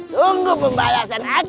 tunggu pembalasan aku